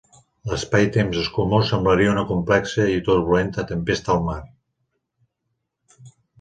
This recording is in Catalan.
L'espaitemps escumós semblaria una complexa i turbulenta tempesta al mar.